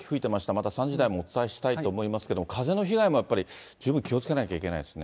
また３時台もお伝えしたいと思いますけれども、風の被害もやっぱり、十分気をつけなきゃいけないですね。